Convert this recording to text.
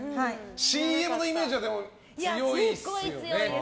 ＣＭのイメージが強いですよね。